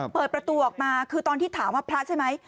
เปิดประตูออกมาคือตอนที่ถามว่าพระใช่ไหม